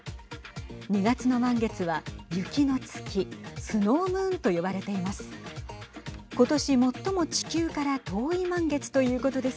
２月の満月は雪の月スノームーンと呼ばれています。